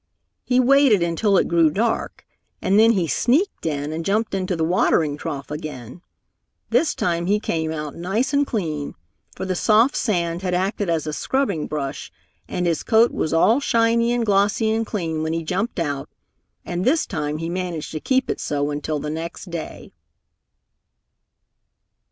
He waited until it grew dark, and then he sneaked in and jumped into the watering trough again. This time he came out nice and clean, for the soft sand had acted as a scrubbing brush and his coat was all shiny and glossy and clean when he jumped out, and this time he managed to keep it so until the next day.